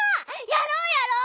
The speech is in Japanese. やろうやろう！